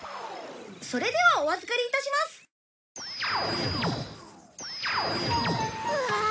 「それではお預かりいたします」わあ！